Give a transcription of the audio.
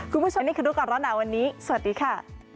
คุณผู้ชมนี่คือรู้ก่อนร้อนหนาวันนี้สวัสดีค่ะ